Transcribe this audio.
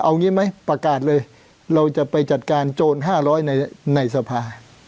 เอางี้ไหมประกาศเลยเราจะไปจัดการโจร๕๐๐ในสภา